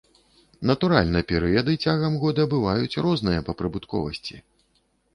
Натуральна, перыяды цягам года бываюць розныя па прыбытковасці.